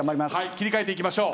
切り替えていきましょう。